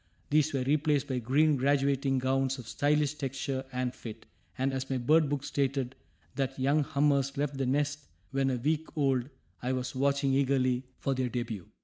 These were replaced by green graduating gowns of stylish texture and fit, and, as my bird book stated that young hummers left the nest when a week old, I was watching eagerly for their debut.